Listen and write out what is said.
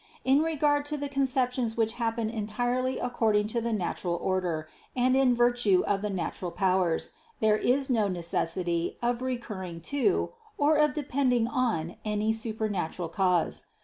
In regard to the conceptions which happen entirely according to the natural order and in virtue of the natural powers, there is no necessity of recurring to or of depending on any supernatural cause.